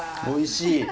おいしい？